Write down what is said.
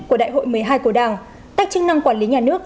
của đại hội một mươi hai của đảng các chức năng quản lý nhà nước